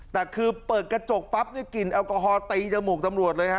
แต่คือเปิดกระจกปั๊บเนี่ยกลิ่นแอลกอฮอลตีจมูกตำรวจเลยฮะ